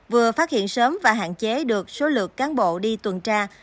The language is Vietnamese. vừa phát hiện sớm và hạn chế được số lượng cán bộ đi tuần tra